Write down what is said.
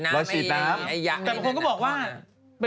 แต่บางคนก็บอกว่า